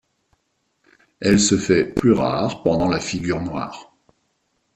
Elle se fait plus rare pendant la figure noire.